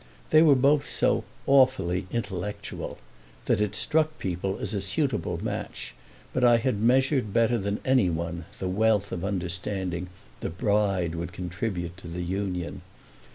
They were both so "awfully intellectual" that it struck people as a suitable match, but I had measured better than any one the wealth of understanding the bride would contribute to the union.